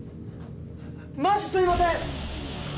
マジすいません！